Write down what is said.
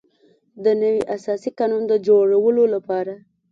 د نوي اساسي قانون د جوړولو لپاره.